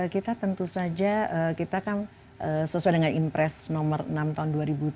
kita tentu saja kita kan sesuai dengan impres nomor enam tahun dua ribu dua puluh